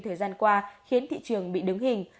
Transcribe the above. thời gian qua khiến thị trường bị đứng hình